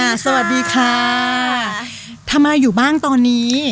สวัสดีค่ะสวัสดีค่ะสวัสดีค่ะทำไมอยู่บ้างตอนนี้